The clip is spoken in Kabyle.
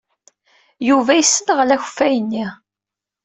Yuba yessenɣel akeffay-nni.